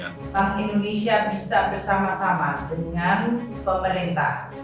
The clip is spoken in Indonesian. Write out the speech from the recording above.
bank indonesia bisa bersama sama dengan pemerintah